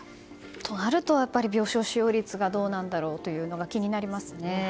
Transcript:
となると、病床使用率がどうなるんだろうというのが気になりますね。